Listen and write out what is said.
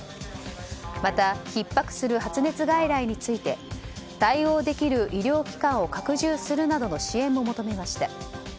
また、ひっ迫する発熱外来について対応できる医療機関を拡充するなどの支援も求めました。